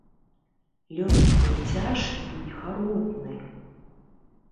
Лёс твой цяжкі і гаротны!